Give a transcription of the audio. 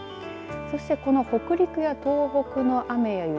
そして、この北陸や東北の雨や雪